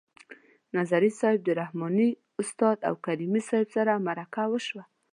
نظري صیب د رحماني استاد او کریمي صیب سره مرکه شو.